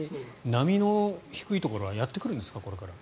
波の低いところはやってくるんですか？